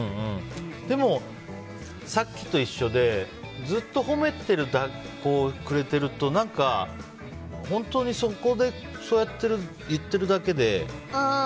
でも、さっきと一緒でずっと褒めてくれてると何か、本当にそこでそうやって言ってるだけで。